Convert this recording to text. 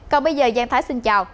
còn bây giờ giang thái xin chào